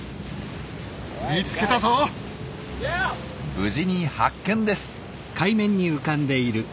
無事に発見です。